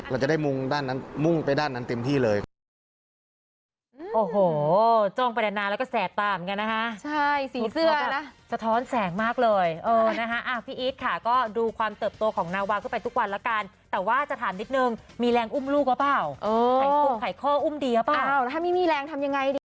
เราจะได้มุ่งไปด้านนั้นเต็มที่เลย